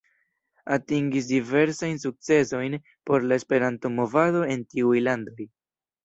Atingis diversajn sukcesojn por la Esperanto-movado en tiuj landoj.